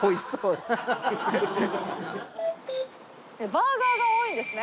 バーガーが多いんですね。